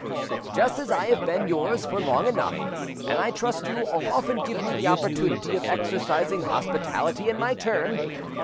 "Just as I have been yours for long enough, and I trust you will often give me the opportunity of exercising hospitality in my turn.